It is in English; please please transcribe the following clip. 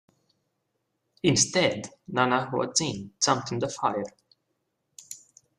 Instead, Nanahuatzin jumped in the fire.